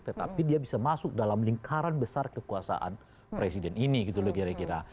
tetapi dia bisa masuk dalam lingkaran besar kekuasaan presiden ini gitu loh kira kira